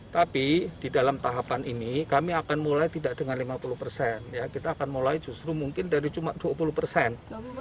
tapi di dalam tahapan ini kami akan mulai tidak dengan lima puluh persen kita akan mulai justru mungkin dari cuma dua puluh persen